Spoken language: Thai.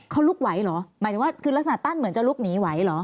เขาลุกไหวเหรอหมายถึงว่าคือลักษณะตั้นเหมือนจะลุกหนีไหวเหรอ